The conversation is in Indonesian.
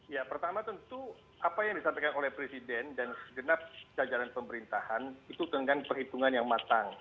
ya pertama tentu apa yang disampaikan oleh presiden dan segenap jajaran pemerintahan itu dengan perhitungan yang matang